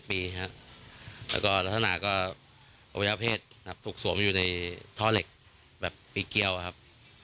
แล้วก็ลักษณะก็อวัยวเพศถูกสวมอยู่ในท่อเหล็กแบบปีเกี้ยวครับ